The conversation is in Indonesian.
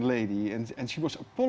dan dia meminta maaf